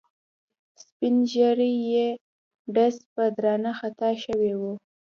سپین ږیری یې ډز به درنه خطا شوی وي.